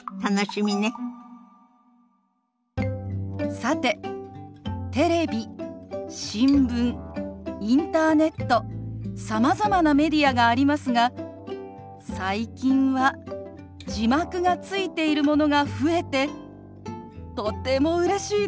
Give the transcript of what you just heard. さてテレビ新聞インターネットさまざまなメディアがありますが最近は字幕がついているものが増えてとてもうれしいです。